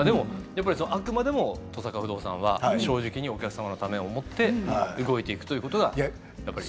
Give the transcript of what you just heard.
あくまでも登坂不動産は正直にお客様のためを思って動いていくというのがやっぱり。